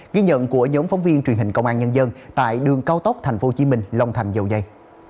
ghi nhận của giống phóng viên truyền hình công an nhân dân tại đường cao tốc tp hcm long thành dầu dây